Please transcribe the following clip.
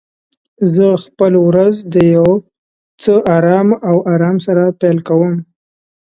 زه خپل ورځ د یو څه آرام او آرام سره پیل کوم.